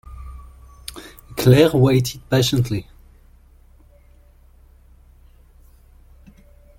Claire waited patiently.